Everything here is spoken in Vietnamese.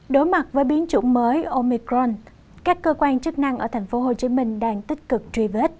đối mặt với biến chủng mới omicron các cơ quan chức năng ở tp hcm đang tích cực truy vết